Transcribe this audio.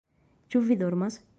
Ĉu vi dormas?